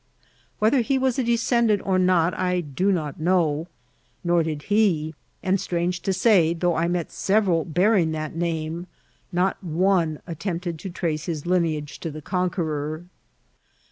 Whether he was a descendant or not I do not know, nor did he ; and strange to say, though I met several bearing that name, not one attempted to trace his lineage to the conquercnr.